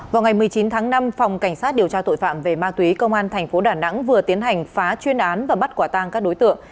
vào ngày một mươi chín tháng năm phòng cảnh sát điều tra tội phạm về ma túy công an tp đà nẵng vừa tiến hành phá chuyên án và bắt quả tang các đối tượng